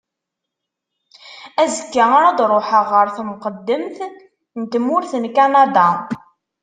Azekka ara d-ruḥeɣ ɣer temqeddemt n tmurt n Kanada.